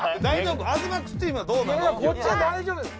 大丈夫？